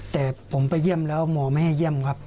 แต่ผมไปเยี่ยมแล้วหมอไม่ให้เยี่ยมครับ